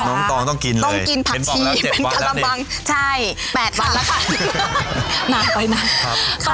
น้องตองต้องกินเลยต้องกินผักชีเป็นกะลำบังใช่แปดวันแล้วค่ะน้ำไปน่ะครับ